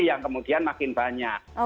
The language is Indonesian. yang kemudian makin banyak